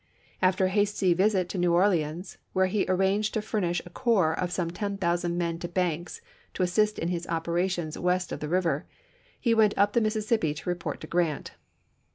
After a hasty visit to New Orleans, where he arranged to furnish a corps of some ten thousand men to Banks to assist in his opera tions west of the river, he went up the Mississippi to report to Grant.